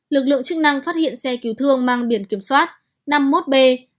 lực lượng chức năng phát hiện xe cứu thương mang biển kiểm soát năm mươi một b hai mươi sáu nghìn một trăm bốn mươi hai